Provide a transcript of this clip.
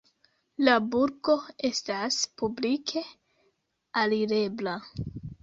La burgo estas publike alirebla.